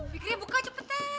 bikinnya buka cepetan